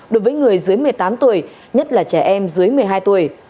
đối với người dưới một mươi tám tuổi nhất là trẻ em dưới một mươi hai tuổi